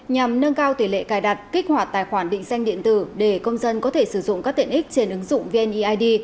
nhằm nâng cao tỷ lệ cài đặt kích hoạt tài khoản định danh điện tử để công dân có thể sử dụng các tiện ích trên ứng dụng vneid